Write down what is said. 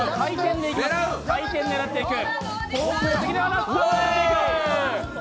回転狙っていく。